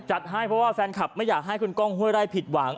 จัดให้เพราะว่าแฟนคลับไม่อยากให้คุณก้องห้วยไร่ผิดหวัง